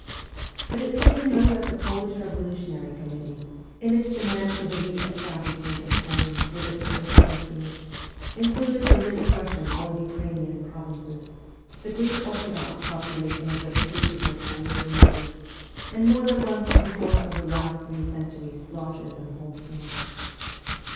But it became known that the Polish revolutionary committee, in its demand for the re establishment of Poland with its old frontiers, included the Little Russian or Ukrainian provinces, the Greek Orthodox population of which hated their Polish rulers, and more than once in the course of the last three centuries slaughtered them wholesale.